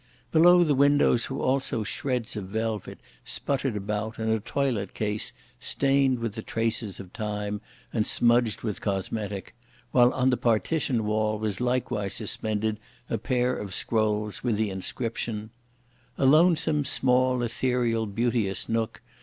Below the windows, were also shreds of velvet sputtered about and a toilet case stained with the traces of time and smudged with cosmetic; while on the partition wall was likewise suspended a pair of scrolls, with the inscription: A lonesome, small, ethereal, beauteous nook!